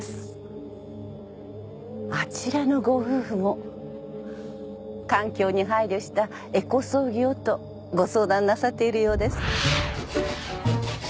あちらのご夫婦も環境に配慮したエコ葬儀をとご相談なさっているようです。